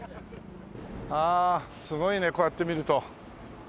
ああすごいねこうやって見ると。